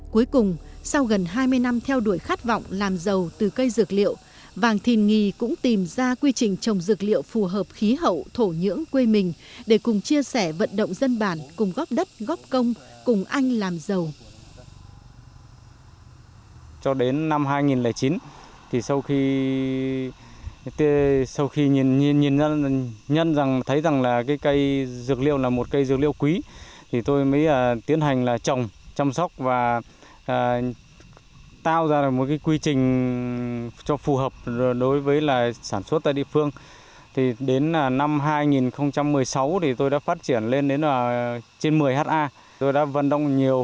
cuối cùng sau gần hai mươi năm theo đuổi khát vọng làm giàu từ cây dược liệu vàng thìn nghì cũng tìm ra quy trình trồng dược liệu phù hợp khí hậu thổ nhưỡng quê mình để cùng chia sẻ vận động dân bản cùng góp đất góp công cùng anh làm giàu